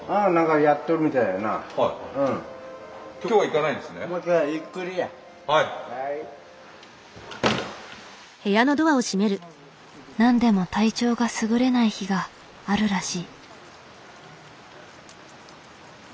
なんでも体調がすぐれない日があるらしい。